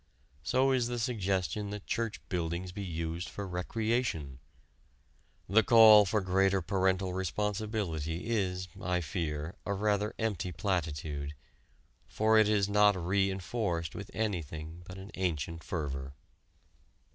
So is the suggestion that church buildings be used for recreation. The call for greater parental responsibility is, I fear, a rather empty platitude, for it is not re enforced with anything but an ancient fervor.